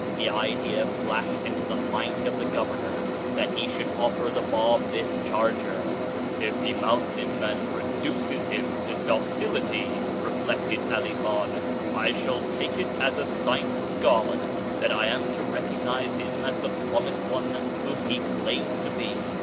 The idea flashed into the mind of the governor that he should offer the Bab this charger. "If he mounts him, and reduces him to docility," reflected Ali Khan, "I shall take it as a sign from God that I am to recognize him as the Promised One whom he claims to be.